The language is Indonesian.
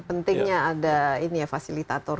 pentingnya ada ini ya fasilitator